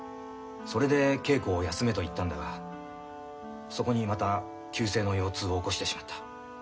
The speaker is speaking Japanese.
それで稽古を休めと言ったんだがそこにまた急性の腰痛を起こしてしまった。